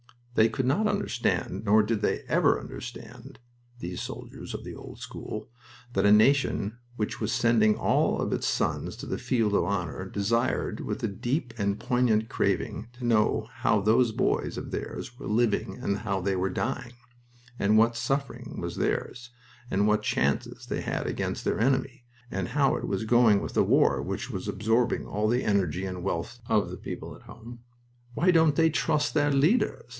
They could not understand, nor did they ever understand (these soldiers of the old school) that a nation which was sending all its sons to the field of honor desired with a deep and poignant craving to know how those boys of theirs were living and how they were dying, and what suffering was theirs, and what chances they had against their enemy, and how it was going with the war which was absorbing all the energy and wealth of the people at home. "Why don't they trust their leaders?"